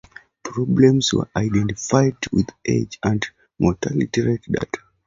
Problems were identified with age and mortality rate data.